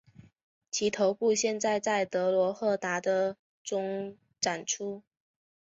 其头部现在在德罗赫达的中展出。